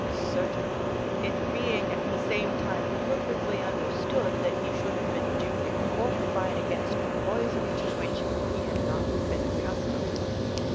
"Certainly; it being at the same time perfectly understood that he should have been duly fortified against the poison to which he had not been accustomed."